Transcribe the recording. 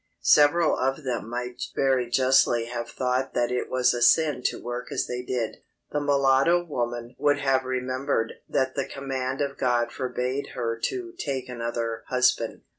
Several of them might very justly have thought that it was a sin to work as they did. The mulatto woman would have remembered that the command of God forbade her to take another husband.